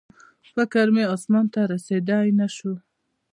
فکر مې اسمان ته رسېدی نه شو